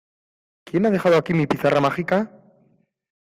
¿ Quién ha dejado aquí mi pizarra mágica?